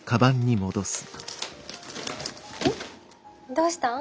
どうしたん？